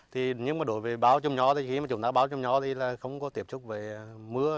thì nhưng mà đối với bao trùm nho thì khi chúng ta bao trùm nho thì là không có tiếp xúc về mưa